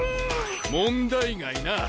問題外な！